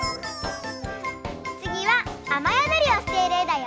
つぎはあまやどりをしているえだよ。